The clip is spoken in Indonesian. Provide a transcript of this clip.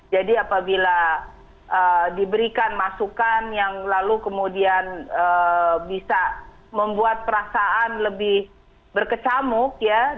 jadi apabila diberikan masukan yang lalu kemudian bisa membuat perasaan lebih berkecamuk ya